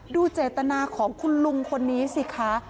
ดูเจตนาของคุณลุงคนนี้สิคะ